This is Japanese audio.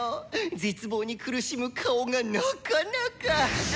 絶望に苦しむ顔がなかなか。